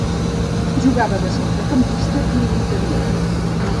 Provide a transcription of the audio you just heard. Jugava de centrecampista i interior.